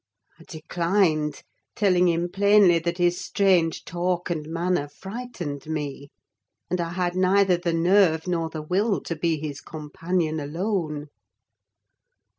I declined; telling him plainly that his strange talk and manner frightened me, and I had neither the nerve nor the will to be his companion alone.